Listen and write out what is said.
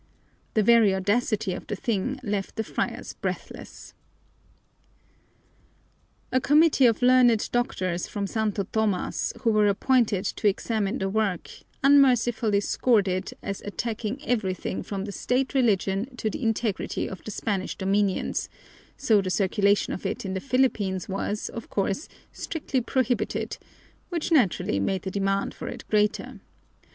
The very audacity of the thing left the friars breathless. A committee of learned doctors from Santo Tomas, who were appointed to examine the work, unmercifully scored it as attacking everything from the state religion to the integrity of the Spanish dominions, so the circulation of it in the Philippines was, of course, strictly prohibited, which naturally made the demand for it greater.